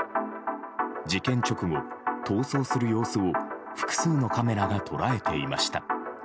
事件直後、逃走する様子を複数のカメラが捉えていました。